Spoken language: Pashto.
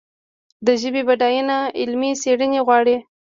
د ژبې بډاینه علمي څېړنې غواړي.